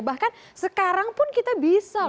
bahkan sekarang pun kita bisa